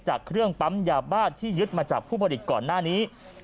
จากเครื่องปั๊มยาบ้าที่ยึดมาจากผู้ผลิตก่อนหน้านี้